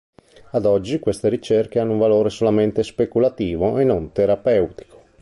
Ad oggi queste ricerche hanno un valore solamente speculativo e non terapeutico.